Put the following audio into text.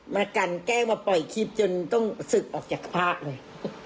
มากันแกล้งมาปล่อยคลิปจนต้องศึกออกจากพระเลย